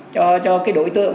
cho cái đối tượng